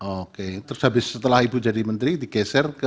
oke terus habis setelah ibu jadi menteri digeser ke